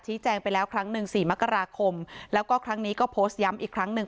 แจ้งไปแล้วครั้งหนึ่งสี่มกราคมแล้วก็ครั้งนี้ก็โพสต์ย้ำอีกครั้งหนึ่ง